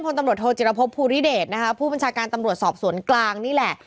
ตำรวจโทจิรพบภูริเดชนะคะผู้บัญชาการตำรวจสอบสวนกลางนี่แหละ